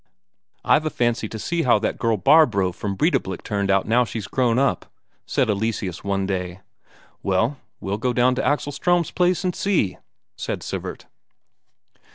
"I've a fancy to see how that girl Barbro from Breidablik turned out now she's grown up," said Eleseus one day. "Well, go down to Axel Ström's place and see," said Sivert.